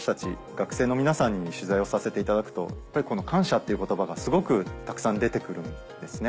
学生の皆さんに取材をさせていただくとこの感謝っていう言葉がすごくたくさん出て来るんですね。